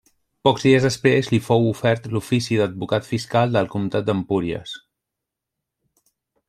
Pocs dies després li fou ofert l'ofici d'advocat fiscal del comtat d'Empúries.